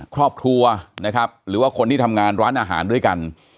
ครอบครัวนะครับหรือว่าคนที่ทำงานร้านอาหารด้วยกัน